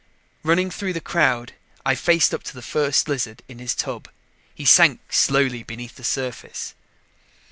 Running through the crowd, I faced up to the First Lizard in his tub. He sank slowly beneath the surface.